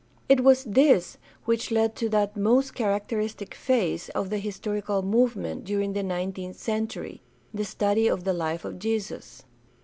It was this which led to that most characteristic phase of the historical movement during the nineteenth century — the study of the life of Jesus.